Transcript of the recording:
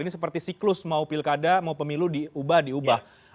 ini seperti siklus mau pilkada mau pemilu diubah diubah